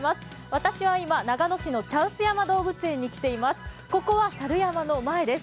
私は今、長野市の茶臼山動物園に来ています。